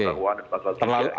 jelangkan uang pasal tiga